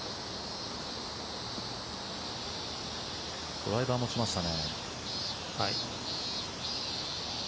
ドライバーを持ちましたね。